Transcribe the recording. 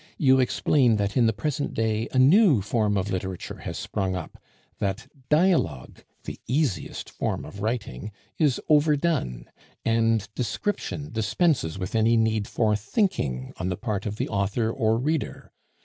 You explain that in the present day a new form of literature has sprung up; that dialogue (the easiest form of writing) is overdone, and description dispenses with any need for thinking on the part of the author or reader.